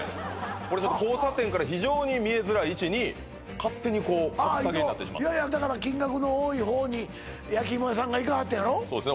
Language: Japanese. これちょっと交差点から非常に見えづらい位置に勝手にこう格下げになってしまってだから金額の多い方に焼き芋屋さんがいかはったんやろそうですね